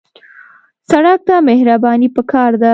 سړک ته مهرباني پکار ده.